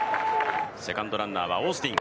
セカンドランナーはオースティン。